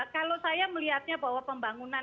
kalau saya melihatnya bahwa pembangunan